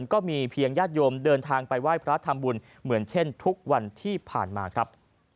ขอบคุณครับ